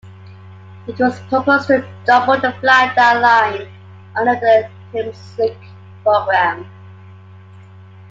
It was proposed to double the flydown line under the Thameslink Programme.